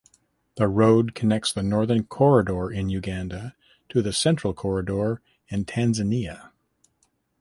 The road connects the Northern Corridor in Uganda to the Central Corridor in Tanzania.